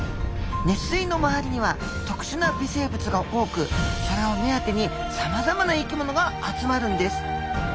熱水の周りには特殊な微生物が多くそれを目当てにさまざまな生きものが集まるんです。